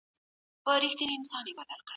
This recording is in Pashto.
ایا واړه پلورونکي انځر پروسس کوي؟